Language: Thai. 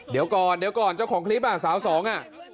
เดี๋ยวก่อนเดี๋ยวก่อนเจ้าของคลิปอ่ะสาวสองอ่ะ